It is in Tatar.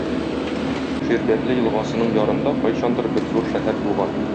Ширбәтле елгасының ярында кайчандыр бер зур шәһәр булган.